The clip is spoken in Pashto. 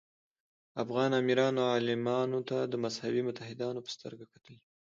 افغان امیرانو عالمانو ته د مذهبي متحدانو په سترګه کتلي.